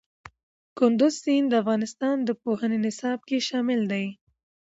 کندز سیند د افغانستان د پوهنې نصاب کې شامل دی.